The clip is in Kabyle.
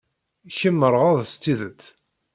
Kemm meɣɣred s tidet.